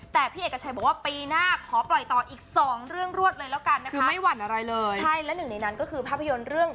แต่พี่เอกชัยบอกว่าปีหน้าขอปล่อยต่ออีก๒เรื่องรวดเลย